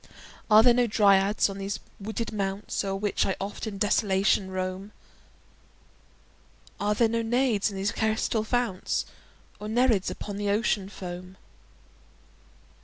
Are there no Dryads on these wooded mounts O'er which I oft in desolation roam? Are there no Naiads in these crystal founts? Nor Nereids upon the Ocean foam?